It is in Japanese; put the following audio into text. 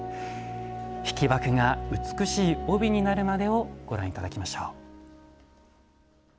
引箔が美しい帯になるまでをご覧頂きましょう。